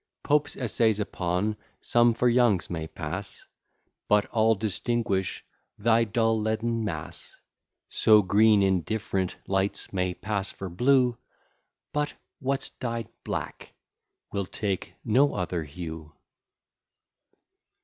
Pope's essays upon some for Young's may pass, But all distinguish thy dull leaden mass; So green in different lights may pass for blue, But what's dyed black will take no other hue.